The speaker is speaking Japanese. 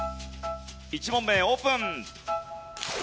１問目オープン。